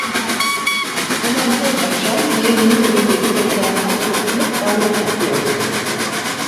Hemen her akşam değirmenin önündeki meydanlıkta toplanıp ahenk yapıyorduk.